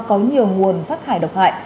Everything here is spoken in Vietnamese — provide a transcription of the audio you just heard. có nhiều nguồn phát hải độc hại